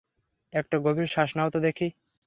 একটা গভীর শ্বাস নাও তো দেখি।